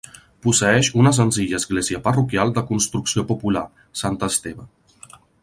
Posseeix una senzilla església parroquial de construcció popular, Sant Esteve.